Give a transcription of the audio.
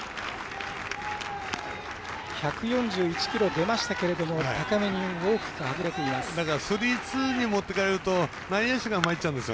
１４１キロ出ましたけれども高めに大きく外れています。